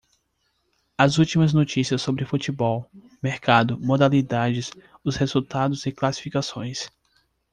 As últimas notícias sobre Futebol, mercado, modalidades, os resultados e classificações.